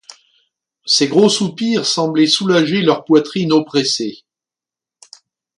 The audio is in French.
Ces gros soupirs semblaient soulager leur poitrine oppressée.